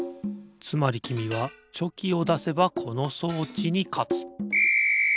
つまりきみはチョキをだせばこの装置にかつピッ！